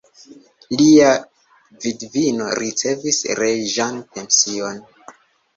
Lia vidvino ricevis reĝan pension.